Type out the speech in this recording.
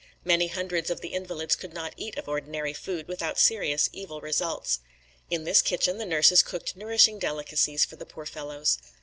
Many hundreds of the invalids could not eat of ordinary food without serious evil results. In this kitchen the nurses cooked nourishing delicacies for the poor fellows.